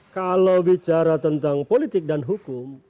kalau bicara tentang politik dan hukum